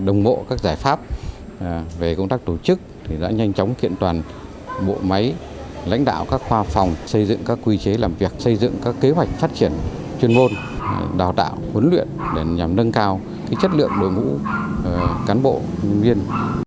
đồng bộ các giải pháp về công tác tổ chức đã nhanh chóng kiện toàn bộ máy lãnh đạo các khoa phòng xây dựng các quy chế làm việc xây dựng các kế hoạch phát triển chuyên môn đào tạo huấn luyện để nhằm nâng cao chất lượng đội ngũ cán bộ nhân viên